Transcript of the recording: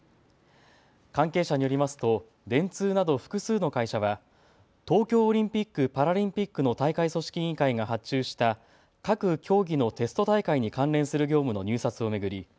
関係者によりますと電通など複数の会社は東京オリンピック・パラリンピックの大会組織委員会が発注した各競技のテスト大会に関連する業務の入札を巡り